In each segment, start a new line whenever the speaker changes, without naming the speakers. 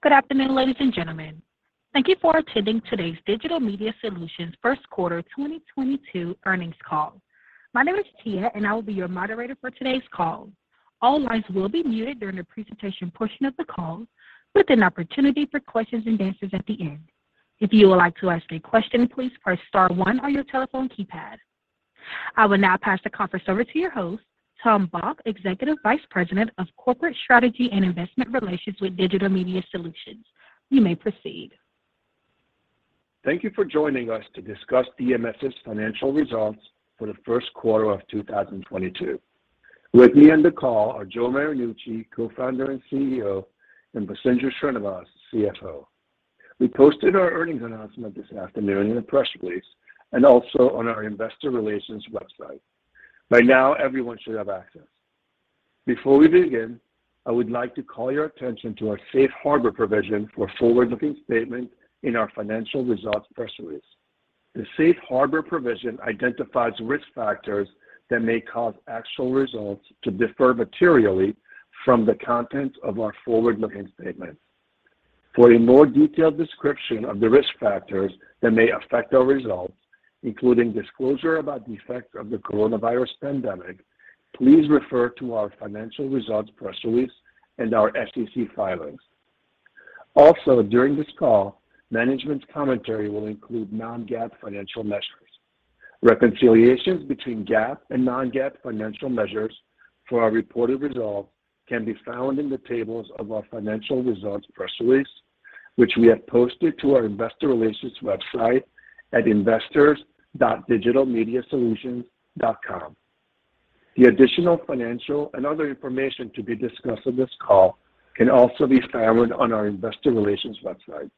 Good afternoon, ladies and gentlemen. Thank you for attending today's Digital Media Solutions Q1 2022 earnings call. My name is Tia, and I will be your moderator for today's call. All lines will be muted during the presentation portion of the call with an opportunity for questions and answers at the end. If you would like to ask a question, please press star one on your telephone keypad. I will now pass the conference over to your host, Thomas Bock, Executive Vice President of Corporate Strategy and Investor Relations with Digital Media Solutions. You may proceed.
Thank you for joining us to discuss DMS' financial results for the Q1 of 2022. With me on the call are Joe Marinucci, Co-Founder and CEO, and Vasundhara Sreenivas, CFO. We posted our earnings announcement this afternoon in a press release and also on our investor relations website. By now, everyone should have access. Before we begin, I would like to call your attention to our safe harbor provision for forward-looking statements in our financial results press release. The safe harbor provision identifies risk factors that may cause actual results to differ materially from the content of our forward-looking statement. For a more detailed description of the risk factors that may affect our results, including disclosure about the effects of the coronavirus pandemic, please refer to our financial results press release and our SEC filings. Also, during this call, management's commentary will include non-GAAP financial measures. Reconciliations between GAAP and non-GAAP financial measures for our reported results can be found in the tables of our financial results press release, which we have posted to our investor relations website at investors.digitalmediasolutions.com. The additional financial and other information to be discussed on this call can also be found on our investor relations website.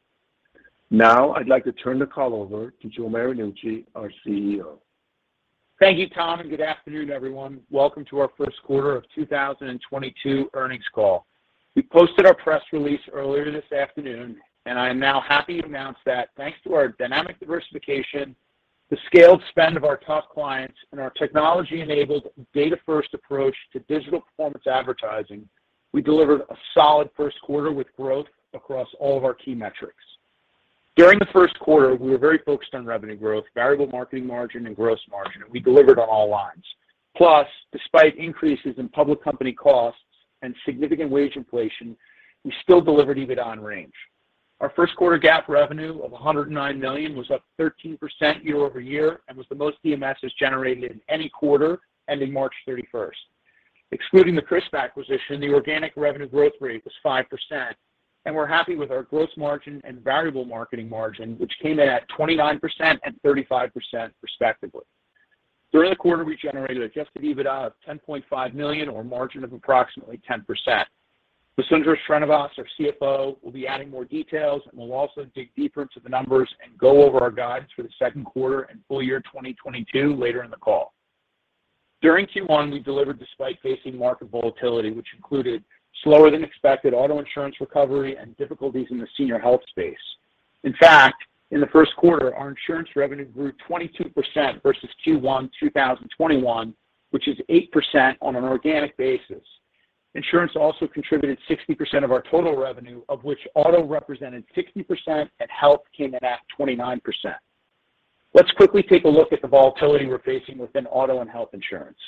Now I'd like to turn the call over to Joe Marinucci, our CEO.
Thank you, Tom, and good afternoon, everyone. Welcome to our q1 of 2022 earnings call. We posted our press release earlier this afternoon, and I am now happy to announce that thanks to our dynamic diversification, the scaled spend of our top clients, and our technology-enabled data-first approach to digital performance advertising, we delivered a solid Q1 with growth across all of our key metrics. During the Q1, we were very focused on revenue growth, variable marketing margin and gross margin, and we delivered on all lines. Plus, despite increases in public company costs and significant wage inflation, we still delivered EBITDA in range. Our Q1 GAAP revenue of $109 million was up 13% year-over-year and was the most DMS has generated in any quarter ending March 31. Excluding the Crisp acquisition, the organic revenue growth rate was 5%, and we're happy with our gross margin and variable marketing margin, which came in at 29% and 35% respectively. During the quarter, we generated adjusted EBITDA of $10.5 million or margin of approximately 10%. Vasundhara Sreenivas, our CFO, will be adding more details, and we'll also dig deeper into the numbers and go over our guidance for the Q2 and full year 2022 later in the call. During Q1, we delivered despite facing market volatility, which included slower than expected auto insurance recovery and difficulties in the senior health space. In fact, in the Q1, our insurance revenue grew 22% versus Q1 2021, which is 8% on an organic basis. Insurance also contributed 60% of our total revenue, of which auto represented 60% and health came in at 29%. Let's quickly take a look at the volatility we're facing within auto and health insurance.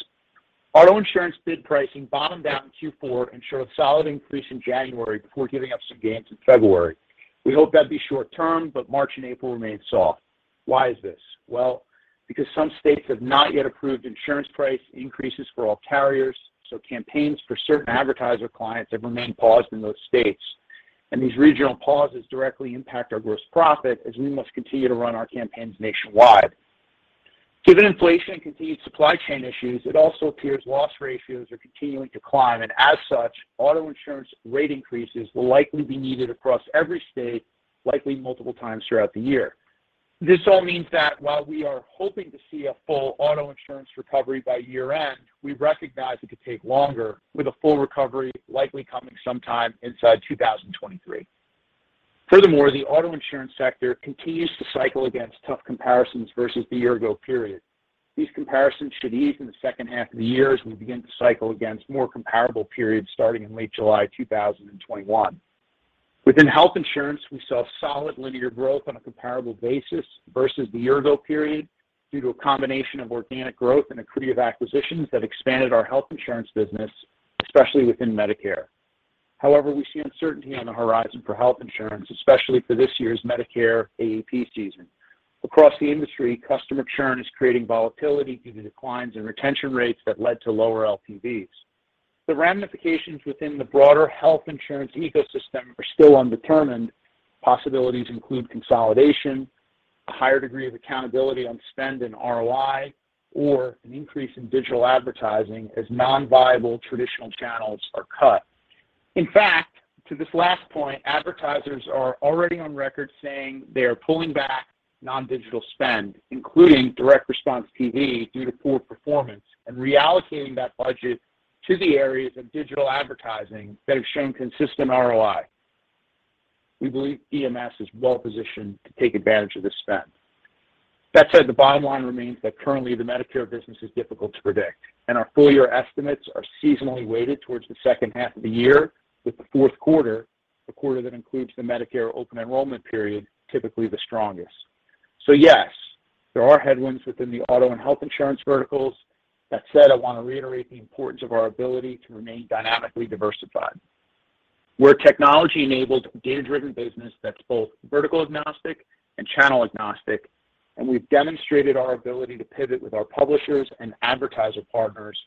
Auto insurance bid pricing bottomed out in Q4 and showed a solid increase in January before giving up some gains in February. We hope that'd be short-term, but March and April remained soft. Why is this? Well, because some states have not yet approved insurance price increases for all carriers, so campaigns for certain advertiser clients have remained paused in those states. These regional pauses directly impact our gross profit as we must continue to run our campaigns nationwide. Given inflation and continued supply chain issues, it also appears loss ratios are continuing to climb, and as such, auto insurance rate increases will likely be needed across every state, likely multiple times throughout the year. This all means that while we are hoping to see a full auto insurance recovery by year-end, we recognize it could take longer, with a full recovery likely coming sometime inside 2023. Furthermore, the auto insurance sector continues to cycle against tough comparisons versus the year-ago period. These comparisons should ease in the second half of the year as we begin to cycle against more comparable periods starting in late July 2021. Within health insurance, we saw solid linear growth on a comparable basis versus the year-ago period due to a combination of organic growth and accretive acquisitions that expanded our health insurance business, especially within Medicare. However, we see uncertainty on the horizon for health insurance, especially for this year's Medicare AEP season. Across the industry, customer churn is creating volatility due to declines in retention rates that led to lower LTVs. The ramifications within the broader health insurance ecosystem are still undetermined. Possibilities include consolidation, a higher degree of accountability on spend and ROI, or an increase in digital advertising as non-viable traditional channels are cut. In fact, to this last point, advertisers are already on record saying they are pulling back non-digital spend, including direct response TV due to poor performance and reallocating that budget to the areas of digital advertising that have shown consistent ROI. We believe DMS is well positioned to take advantage of this spend. That said, the bottom line remains that currently the Medicare business is difficult to predict, and our full year estimates are seasonally weighted towards the second half of the year, with the Q4, the quarter that includes the Medicare open enrollment period, typically the strongest. Yes, there are headwinds within the auto and health insurance verticals. That said, I want to reiterate the importance of our ability to remain dynamically diversified. We're a technology-enabled, data-driven business that's both vertical agnostic and channel agnostic, and we've demonstrated our ability to pivot with our publishers and advertiser partners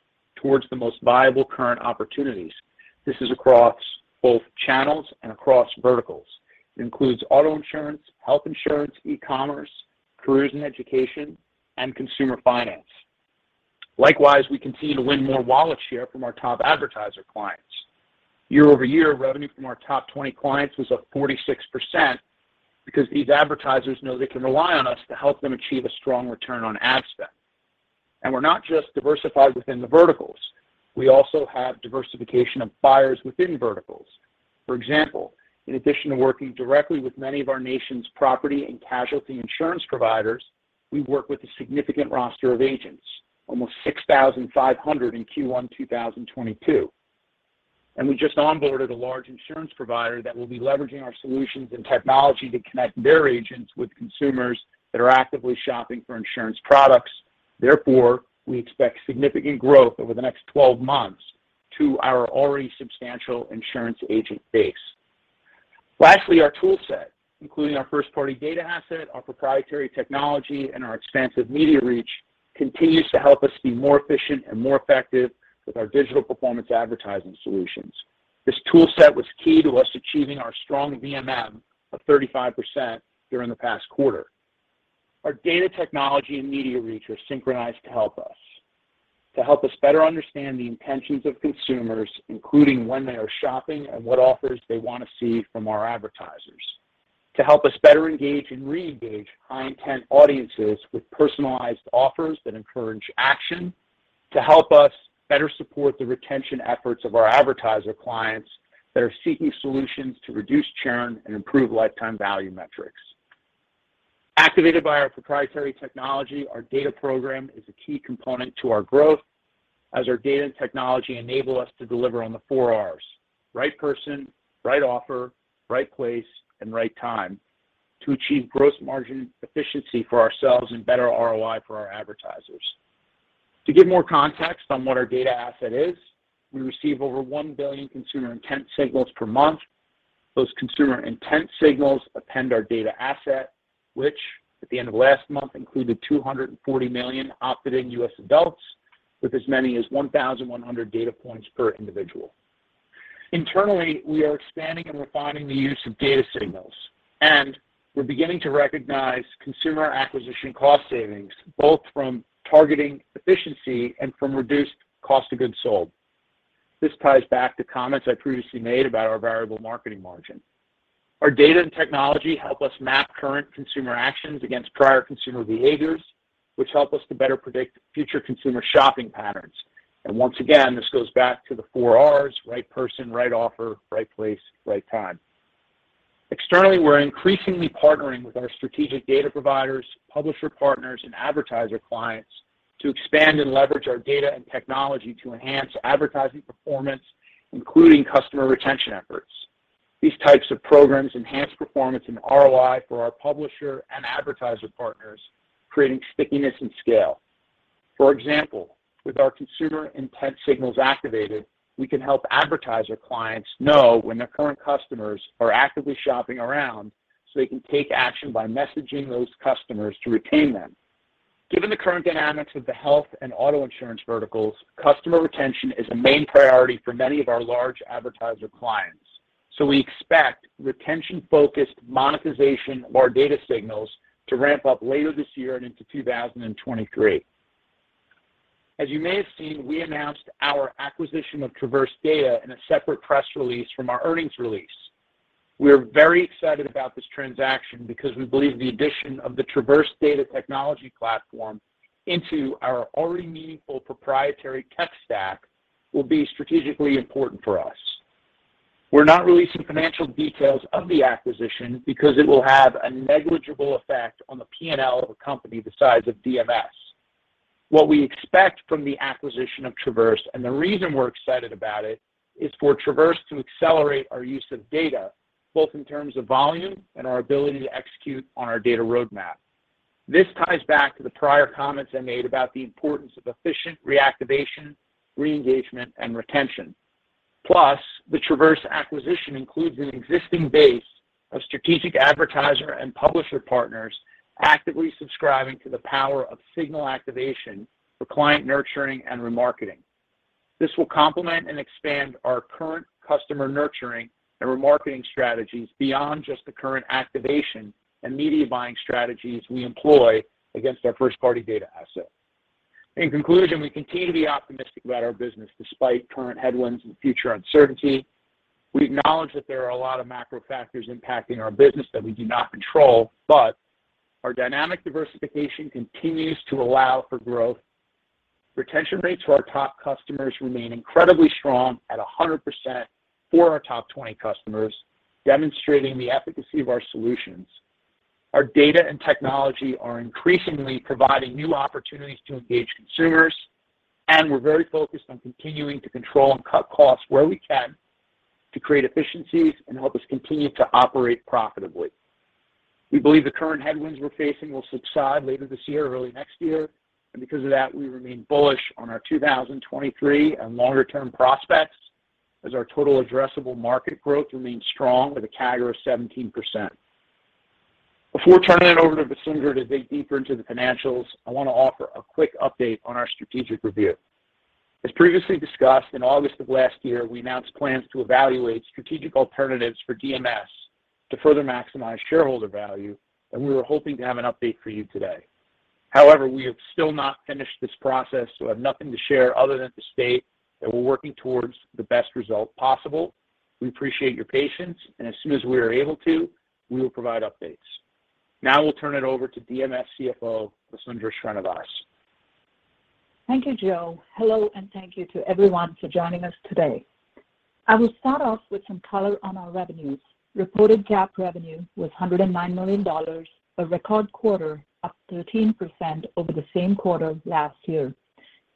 towards the most viable current opportunities. This is across both channels and across verticals. It includes auto insurance, health insurance, e-commerce, careers and education, and consumer finance. Likewise, we continue to win more wallet share from our top advertiser clients. Year-over-year, revenue from our top 20 clients was up 46% because these advertisers know they can rely on us to help them achieve a strong return on ad spend. We're not just diversified within the verticals. We also have diversification of buyers within verticals. For example, in addition to working directly with many of our nation's property and casualty insurance providers, we work with a significant roster of agents, almost 6,500 in Q1 2022. We just onboarded a large insurance provider that will be leveraging our solutions and technology to connect their agents with consumers that are actively shopping for insurance products. Therefore, we expect significant growth over the next 12 months to our already substantial insurance agent base. Lastly, our tool set, including our first-party data asset, our proprietary technology, and our expansive media reach, continues to help us be more efficient and more effective with our digital performance advertising solutions. This tool set was key to us achieving our strong VMM of 35% during the past quarter. Our data technology and media reach are synchronized to help us better understand the intentions of consumers, including when they are shopping and what offers they want to see from our advertisers, to help us better engage and reengage high-intent audiences with personalized offers that encourage action, to help us better support the retention efforts of our advertiser clients that are seeking solutions to reduce churn and improve lifetime value metrics. Activated by our proprietary technology, our data program is a key component to our growth as our data and technology enable us to deliver on the four Rs, right person, right offer, right place, and right time to achieve gross margin efficiency for ourselves and better ROI for our advertisers. To give more context on what our data asset is, we receive over 1 billion consumer intent signals per month. Those consumer intent signals append our data asset, which at the end of last month included 240 million opt-in U.S. adults with as many as 1,100 data points per individual. Internally, we are expanding and refining the use of data signals, and we're beginning to recognize consumer acquisition cost savings, both from targeting efficiency and from reduced cost of goods sold. This ties back to comments I previously made about our variable marketing margin. Our data and technology help us map current consumer actions against prior consumer behaviors, which help us to better predict future consumer shopping patterns. Once again, this goes back to the four Rs, right person, right offer, right place, right time. Externally, we're increasingly partnering with our strategic data providers, publisher partners, and advertiser clients to expand and leverage our data and technology to enhance advertising performance, including customer retention efforts. These types of programs enhance performance and ROI for our publisher and advertiser partners, creating stickiness and scale. For example, with our consumer intent signals activated, we can help advertiser clients know when their current customers are actively shopping around, so they can take action by messaging those customers to retain them. Given the current dynamics of the health and auto insurance verticals, customer retention is a main priority for many of our large advertiser clients. We expect retention-focused monetization of our data signals to ramp up later this year and into 2023. As you may have seen, we announced our acquisition of Traverse Data in a separate press release from our earnings release. We are very excited about this transaction because we believe the addition of the Traverse Data technology platform into our already meaningful proprietary tech stack will be strategically important for us. We're not releasing financial details of the acquisition because it will have a negligible effect on the P&L of a company the size of DMS. What we expect from the acquisition of Traverse, and the reason we're excited about it, is for Traverse to accelerate our use of data, both in terms of volume and our ability to execute on our data roadmap. This ties back to the prior comments I made about the importance of efficient reactivation, re-engagement, and retention. Plus, the Traverse acquisition includes an existing base of strategic advertiser and publisher partners actively subscribing to the power of signal activation for client nurturing and remarketing. This will complement and expand our current customer nurturing and remarketing strategies beyond just the current activation and media buying strategies we employ against our first-party data asset. In conclusion, we continue to be optimistic about our business despite current headwinds and future uncertainty. We acknowledge that there are a lot of macro factors impacting our business that we do not control, but our dynamic diversification continues to allow for growth. Retention rates for our top customers remain incredibly strong at 100% for our top 20 customers, demonstrating the efficacy of our solutions. Our data and technology are increasingly providing new opportunities to engage consumers, and we're very focused on continuing to control and cut costs where we can to create efficiencies and help us continue to operate profitably. We believe the current headwinds we're facing will subside later this year or early next year, and because of that, we remain bullish on our 2023 and longer-term prospects as our total addressable market growth remains strong with a CAGR of 17%. Before turning it over to Vasundhara to dig deeper into the financials, I want to offer a quick update on our strategic review. As previously discussed, in August of last year, we announced plans to evaluate strategic alternatives for DMS to further maximize shareholder value, and we were hoping to have an update for you today. However, we have still not finished this process, so I have nothing to share other than to state that we're working towards the best result possible. We appreciate your patience, and as soon as we are able to, we will provide updates. Now we'll turn it over to DMS CFO, Vasundhara Sreenivas.
Thank you, Joe. Hello, and thank you to everyone for joining us today. I will start off with some color on our revenues. Reported GAAP revenue was $109 million, a record quarter, up 13% over the same quarter last year.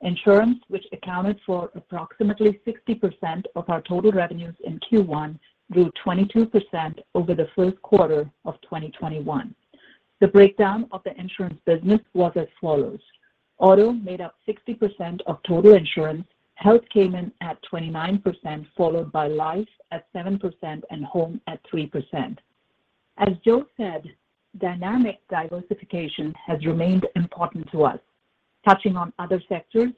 Insurance, which accounted for approximately 60% of our total revenues in Q1, grew 22% over the Q1 of 2021. The breakdown of the insurance business was as follows. Auto made up 60% of total insurance, Health came in at 29%, followed by Life at 7% and Home at 3%. As Joe said, dynamic diversification has remained important to us. Touching on other sectors,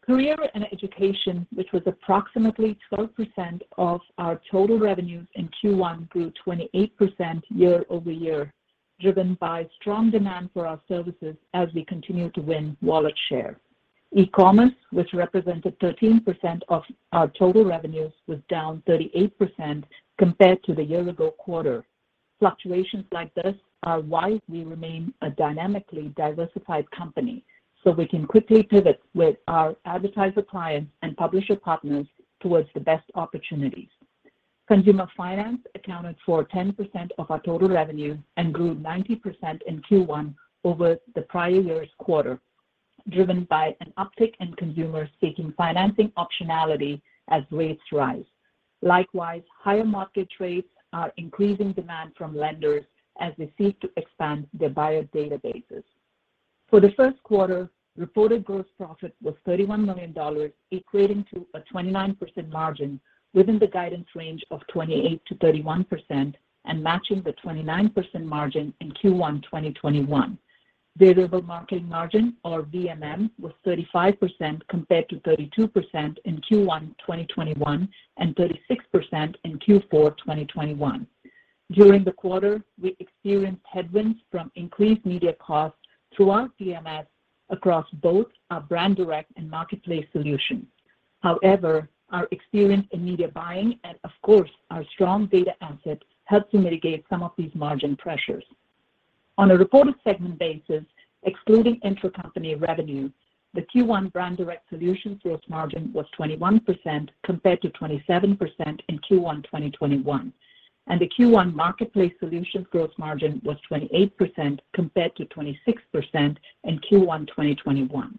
Career and Education, which was approximately 12% of our total revenues in Q1, grew 28% year-over-year, driven by strong demand for our services as we continue to win wallet share. E-commerce, which represented 13% of our total revenues, was down 38% compared to the year-ago quarter. Fluctuations like this are why we remain a dynamically diversified company, so we can quickly pivot with our advertiser clients and publisher partners towards the best opportunities. Consumer finance accounted for 10% of our total revenue and grew 90% in Q1 over the prior year's quarter, driven by an uptick in consumers seeking financing optionality as rates rise. Likewise, higher market rates are increasing demand from lenders as they seek to expand their buyer databases. For the Q1, reported gross profit was $31 million, equating to a 29% margin within the guidance range of 28%-31% and matching the 29% margin in Q1 2021. Variable marketing margin, or VMM, was 35% compared to 32% in Q1 2021 and 36% in Q4 2021. During the quarter, we experienced headwinds from increased media costs throughout DMS across both our Brand-Direct Solutions and Marketplace Solutions. However, our experience in media buying and, of course, our strong data assets helped to mitigate some of these margin pressures. On a reported segment basis, excluding intercompany revenue, the Q1 Brand-Direct Solutions gross margin was 21% compared to 27% in Q1 2021. The Q1 Marketplace Solutions gross margin was 28% compared to 26% in Q1 2021.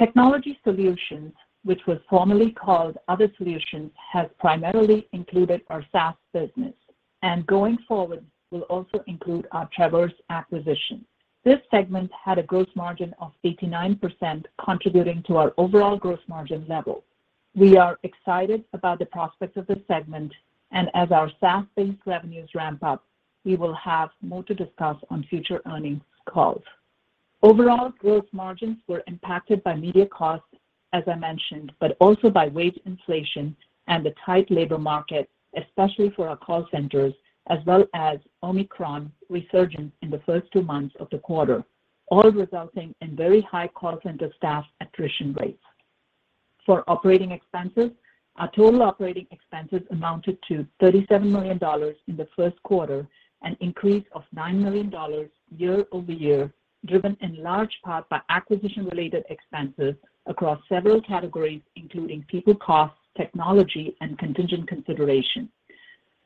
Technology Solutions, which was formerly called Other Solutions, has primarily included our SaaS business and going forward will also include our Traverse acquisition. This segment had a gross margin of 89%, contributing to our overall gross margin level. We are excited about the prospects of this segment, and as our SaaS-based revenues ramp up, we will have more to discuss on future earnings calls. Overall, gross margins were impacted by media costs, as I mentioned, but also by wage inflation and the tight labor market, especially for our call centers, as well as Omicron resurgence in the first two months of the quarter, all resulting in very high call center staff attrition rates. For operating expenses, our total operating expenses amounted to $37 million in the Q1, an increase of $9 million year-over-year, driven in large part by acquisition-related expenses across several categories, including people costs, technology, and contingent consideration.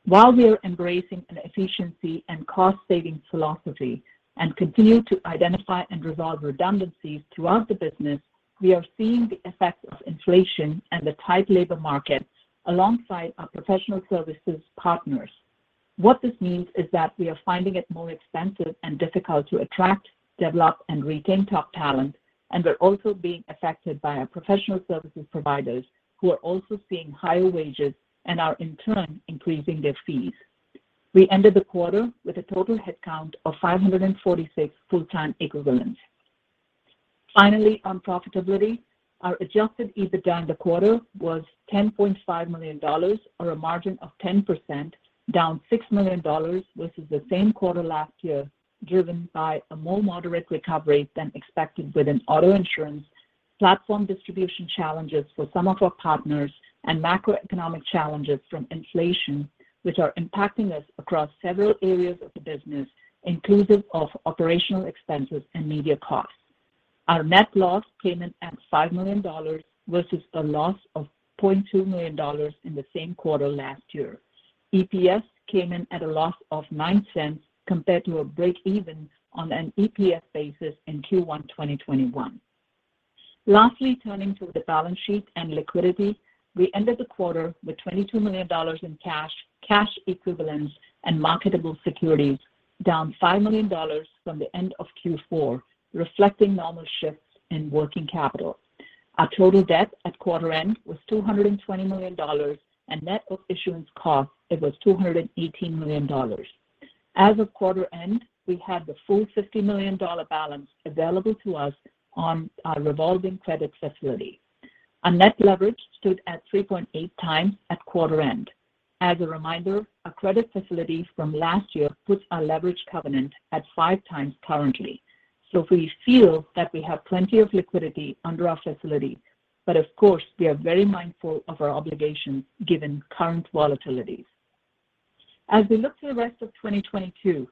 While we are embracing an efficiency and cost-saving philosophy and continue to identify and resolve redundancies throughout the business, we are seeing the effects of inflation and the tight labor market alongside our professional services partners. What this means is that we are finding it more expensive and difficult to attract, develop, and retain top talent, and we're also being affected by our professional services providers who are also seeing higher wages and are in turn increasing their fees. We ended the quarter with a total headcount of 546 full-time equivalents. Finally, on profitability, our adjusted EBITDA in the quarter was $10.5 million, or a margin of 10%, down $6 million versus the same quarter last year, driven by a more moderate recovery than expected within auto insurance, platform distribution challenges for some of our partners, and macroeconomic challenges from inflation, which are impacting us across several areas of the business, inclusive of operational expenses and media costs. Our net loss came in at $5 million versus a loss of $0.2 million in the same quarter last year. EPS came in at a loss of $0.09 compared to a break-even on an EPS basis in Q1 2021. Lastly, turning to the balance sheet and liquidity, we ended the quarter with $22 million in cash equivalents, and marketable securities, down $5 million from the end of Q4, reflecting normal shifts in working capital. Our total debt at quarter end was $220 million, and net of issuance costs, it was $218 million. As of quarter end, we had the full $50 million balance available to us on our revolving credit facility. Our net leverage stood at 3.8 times at quarter end. As a reminder, our credit facility from last year puts our leverage covenant at 5 times currently. We feel that we have plenty of liquidity under our facility, but of course, we are very mindful of our obligations given current volatilities. As we look to the rest of 2022,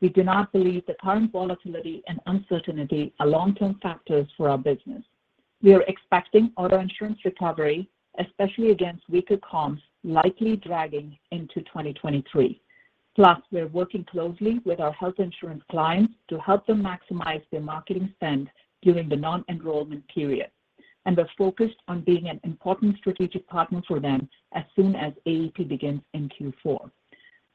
we do not believe that current volatility and uncertainty are long-term factors for our business. We are expecting auto insurance recovery, especially against weaker comps, likely dragging into 2023. Plus, we are working closely with our health insurance clients to help them maximize their marketing spend during the non-enrollment period, and we're focused on being an important strategic partner for them as soon as AP begins in Q4.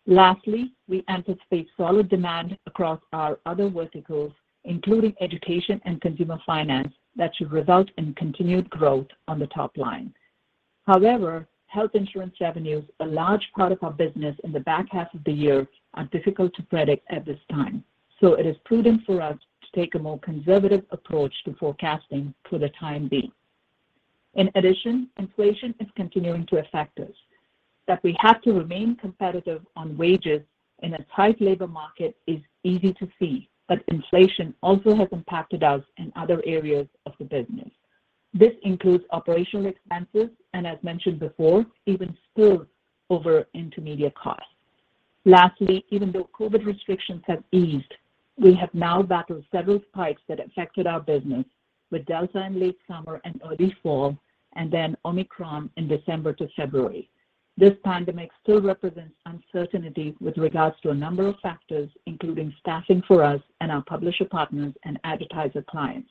Lastly, we anticipate solid demand across our other verticals, including education and consumer finance, that should result in continued growth on the top line. However, health insurance revenues, a large part of our business in the back half of the year, are difficult to predict at this time, so it is prudent for us to take a more conservative approach to forecasting for the time being. In addition, inflation is continuing to affect us. That we have to remain competitive on wages in a tight labor market is easy to see, but inflation also has impacted us in other areas of the business. This includes operational expenses, and as mentioned before, even spillovers into media costs. Lastly, even though COVID restrictions have eased, we have now battled several spikes that affected our business, with Delta in late summer and early fall, and then Omicron in December to February. This pandemic still represents uncertainty with regards to a number of factors, including staffing for us and our publisher partners and advertiser clients.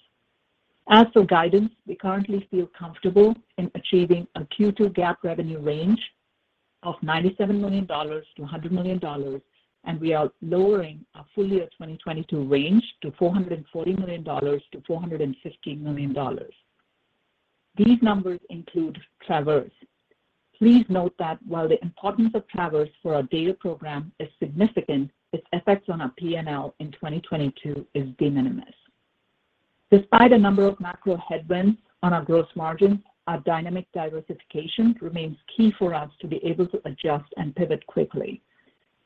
As for guidance, we currently feel comfortable in achieving a Q2 GAAP revenue range of $97 million-$100 million, and we are lowering our full year 2022 range to $440 million-$450 million. These numbers include Traverse. Please note that while the importance of Traverse for our data program is significant, its effects on our P&L in 2022 is de minimis. Despite a number of macro headwinds on our gross margin, our dynamic diversification remains key for us to be able to adjust and pivot quickly.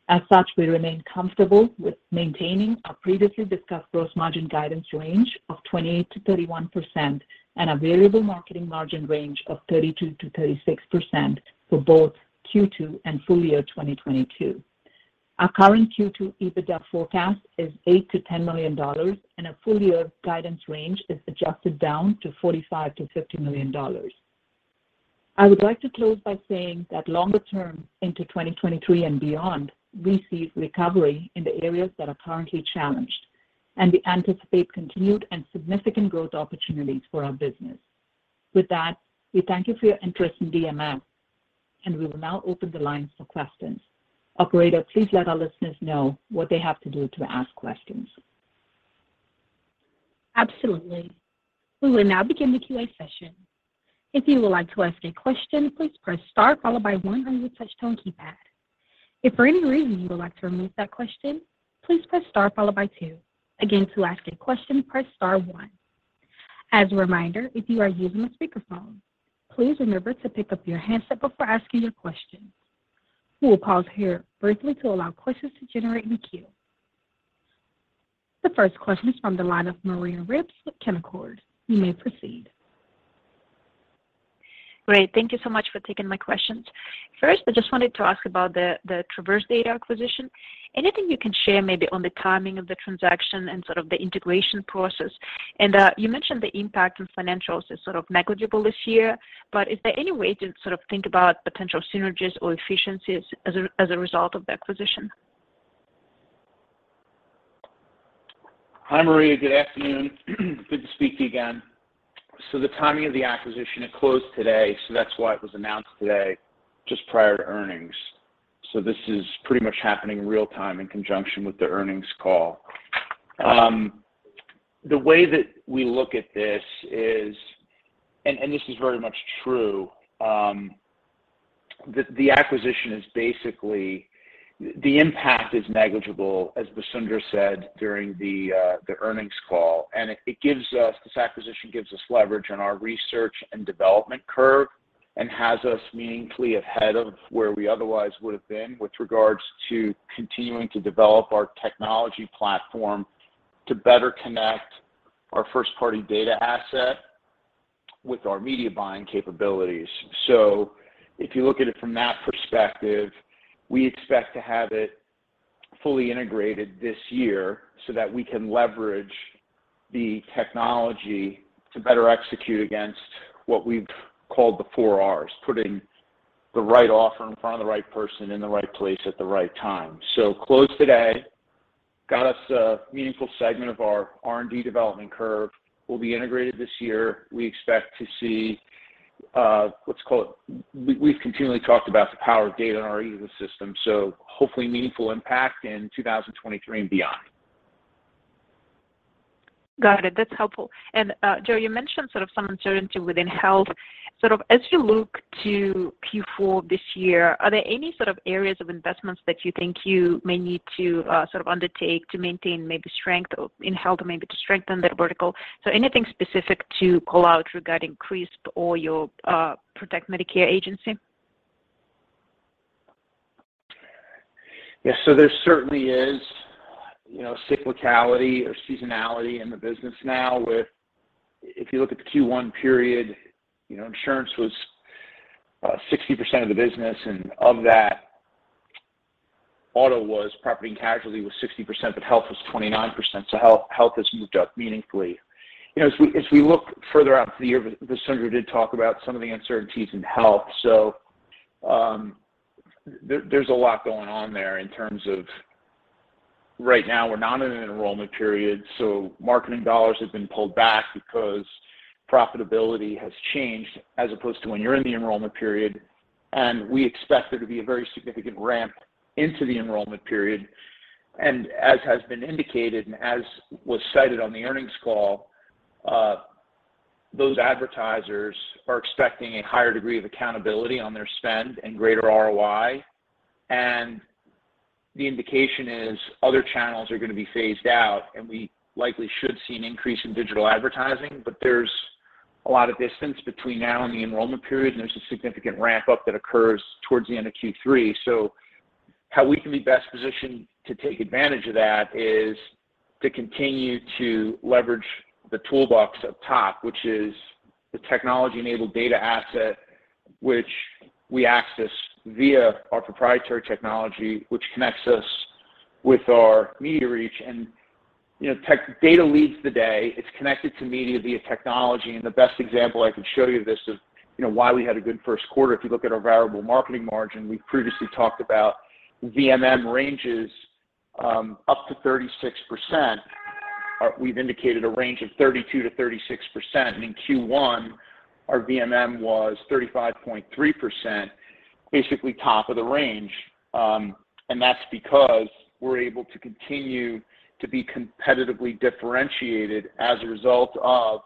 As such, we remain comfortable with maintaining our previously discussed gross margin guidance range of 28%-31% and a variable marketing margin range of 32%-36% for both Q2 and full year 2022. Our current Q2 EBITDA forecast is $8 million-$10 million, and our full year guidance range is adjusted down to $45 million-$50 million. I would like to close by saying that longer term into 2023 and beyond, we see recovery in the areas that are currently challenged, and we anticipate continued and significant growth opportunities for our business. With that, we thank you for your interest in DMS, and we will now open the lines for questions. Operator, please let our listeners know what they have to do to ask questions.
Absolutely. We will now begin the QA session. If you would like to ask a question, please press star followed by one on your touch tone keypad. If for any reason you would like to remove that question, please press star followed by two. Again, to ask a question, press star one. As a reminder, if you are using a speakerphone, please remember to pick up your handset before asking your question. We will pause here briefly to allow questions to generate in the queue. The first question is from the line of Maria Ripps with Canaccord Genuity. You may proceed.
Great. Thank you so much for taking my questions. First, I just wanted to ask about the Traverse Data acquisition. Anything you can share maybe on the timing of the transaction and sort of the integration process? You mentioned the impact on financials is sort of negligible this year, but is there any way to sort of think about potential synergies or efficiencies as a result of the acquisition?
Hi, Maria. Good afternoon. Good to speak to you again. The timing of the acquisition, it closed today, that's why it was announced today just prior to earnings. This is pretty much happening in real time in conjunction with the earnings call. The way that we look at this is this is very much true, the impact is negligible, as Vasundhara said during the earnings call. This acquisition gives us leverage on our research and development curve and has us meaningfully ahead of where we otherwise would have been with regards to continuing to develop our technology platform to better connect our first-party data asset.
With our media buying capabilities. If you look at it from that perspective, we expect to have it fully integrated this year so that we can leverage the technology to better execute against what we've called the four Rs, putting the right offer in front of the right person in the right place at the right time. Close today got us a meaningful segment of our R&D development curve. Will be integrated this year. We expect to see. We've continually talked about the power of data on our ecosystem, so hopefully meaningful impact in 2023 and beyond.
Got it. That's helpful. Joe, you mentioned sort of some uncertainty within health. Sort of as you look to Q4 this year, are there any sort of areas of investments that you think you may need to sort of undertake to maintain maybe strength or in health or maybe to strengthen that vertical? So anything specific to call out regarding Crisp or your Protect Medicare agency?
Yes. There certainly is, you know, cyclicality or seasonality in the business now, with if you look at the Q1 period, you know, insurance was 60% of the business, and of that, auto was property and casualty was 60%, but health was 29%. Health has moved up meaningfully. You know, as we look further out into the year, Vasundhara did talk about some of the uncertainties in health. There's a lot going on there in terms of right now we're not in an enrollment period, so marketing dollars have been pulled back because profitability has changed as opposed to when you're in the enrollment period. We expect there to be a very significant ramp into the enrollment period. As has been indicated and as was cited on the earnings call, those advertisers are expecting a higher degree of accountability on their spend and greater ROI. The indication is other channels are gonna be phased out, and we likely should see an increase in digital advertising. There's a lot of distance between now and the enrollment period, and there's a significant ramp-up that occurs towards the end of Q3. How we can be best positioned to take advantage of that is to continue to leverage the toolbox up top, which is the technology-enabled data asset, which we access via our proprietary technology, which connects us with our media reach. You know, data leads the way. It's connected to media via technology, and the best example I can show you is, you know, why we had a good Q1. If you look at our variable marketing margin, we previously talked about VMM ranges up to 36%. We've indicated a range of 32%-36%. In Q1, our VMM was 35.3%, basically top of the range. That's because we're able to continue to be competitively differentiated as a result of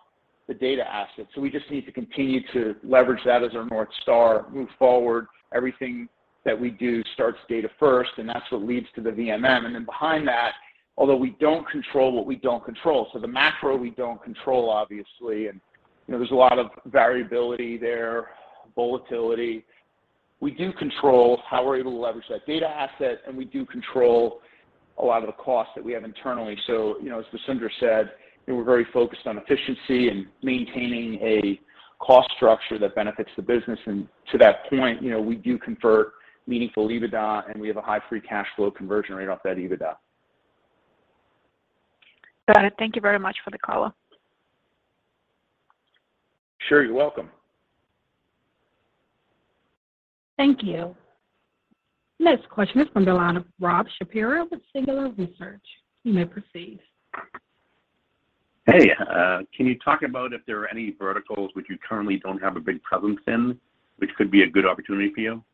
the data asset. We just need to continue to leverage that as our North Star. Move forward, everything that we do starts data first, and that's what leads to the VMM. Then behind that, although we don't control what we don't control. The macro we don't control obviously, and you know, there's a lot of variability there, volatility. We do control how we're able to leverage that data asset, and we do control a lot of the costs that we have internally. You know, as Vasundhara said, you know, we're very focused on efficiency and maintaining a cost structure that benefits the business. To that point, you know, we do convert meaningful EBITDA, and we have a high free cash flow conversion rate off that EBITDA.
Got it. Thank you very much for the color.
Sure. You're welcome.
Thank you. Next question is from the line of Rob Shapiro with Singular Research. You may proceed.
Hey. Can you talk about if there are any verticals which you currently don't have a big presence in which could be a good opportunity for you?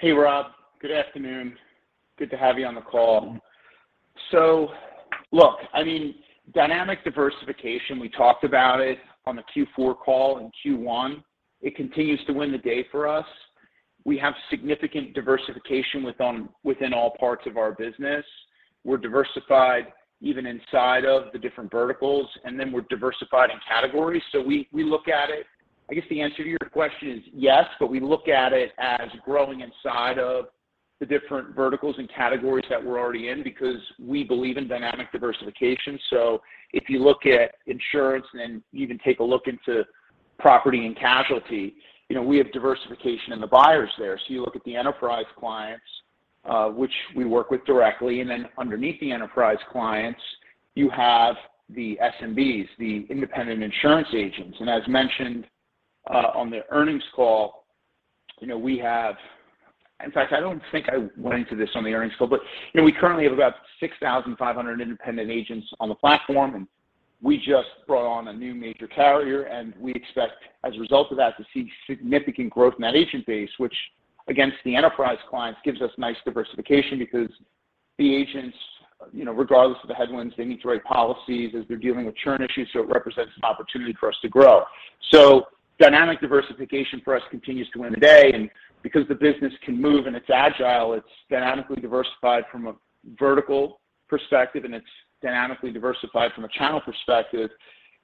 Hey, Rob. Good afternoon. Good to have you on the call. Look, I mean, dynamic diversification, we talked about it on the Q4 call and Q1, it continues to win the day for us. We have significant diversification within all parts of our business. We're diversified even inside of the different verticals, and then we're diversified in categories. We look at it. I guess the answer to your question is yes, but we look at it as growing inside of the different verticals and categories that we're already in because we believe in dynamic diversification. If you look at insurance and even take a look into property and casualty, you know, we have diversification in the buyers there. You look at the enterprise clients, which we work with directly, and then underneath the enterprise clients, you have the SMBs, the independent insurance agents. As mentioned on the earnings call, you know, we have... In fact, I don't think I went into this on the earnings call, but, you know, we currently have about 6,500 independent agents on the platform, and we just brought on a new major carrier, and we expect, as a result of that, to see significant growth in that agent base, which against the enterprise clients gives us nice diversification because the agents, you know, regardless of the headwinds, they need to write policies as they're dealing with churn issues, so it represents an opportunity for us to grow. Dynamic diversification for us continues to win the day. Because the business can move and it's agile, it's dynamically diversified from a vertical perspective, and it's dynamically diversified from a channel perspective.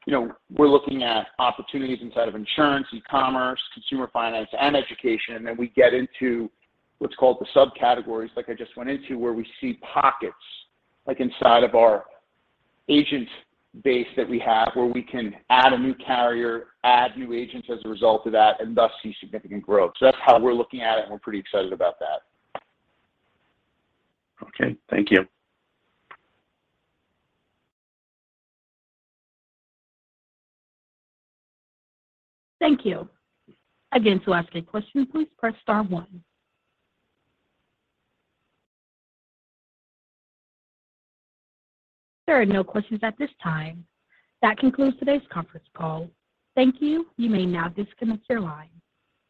You know, we're looking at opportunities inside of insurance, e-commerce, consumer finance, and education. We get into what's called the subcategories, like I just went into, where we see pockets, like inside of our agents base that we have, where we can add a new carrier, add new agents as a result of that, and thus see significant growth. That's how we're looking at it, and we're pretty excited about that. Okay. Thank you.
Thank you. Again, to ask a question, please press star one. There are no questions at this time. That concludes today's conference call. Thank you. You may now disconnect your line.